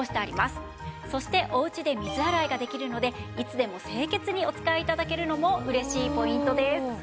そしておうちで水洗いができるのでいつでも清潔にお使い頂けるのも嬉しいポイントです。